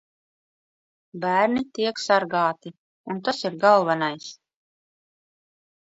Bērni tiek sargāti. Un tas ir galvenais.